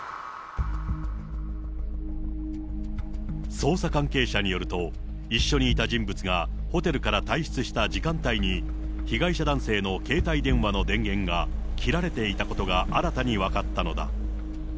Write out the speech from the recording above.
捜査関係者によると、一緒にいた人物がホテルから退室した時間帯に、被害者男性の携帯電話の電源が切られていたことが新たに分かったのだ。